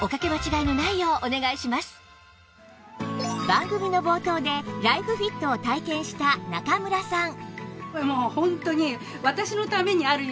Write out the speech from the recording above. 番組の冒頭でライフフィットを体験した中村さん